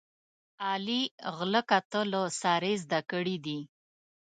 علي غله کاته له سارې زده کړي دي.